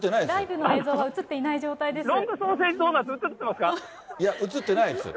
ライブの映像は映ってないですか。